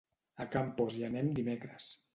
A Campos hi anem dimecres.